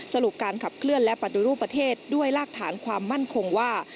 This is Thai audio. สรุปการขับเคลื่อนและปฏิรูปประเทศด้วยรากฐานความมั่นคงว่า